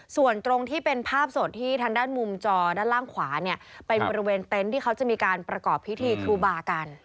ส่วนตรงที่เป็นภาพสดที่ทางด้านมุมจอด้านล่างขวาเนี่ยเป็นบริเวณเต็นต์ที่เขาจะมีการประกอบพิธีครูบากัน